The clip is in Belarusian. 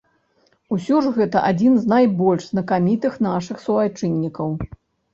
Усё ж гэта адзін з найбольш знакамітых нашых суайчыннікаў.